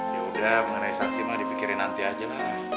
yaudah mengenai sanksi memang dipikirin nanti aja lah